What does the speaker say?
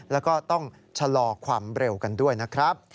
แล้วก็ต้องชะลอความเร็วกันด้วยนะครับ